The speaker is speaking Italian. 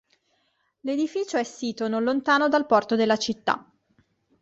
L'edificio è sito non lontano dal porto della città.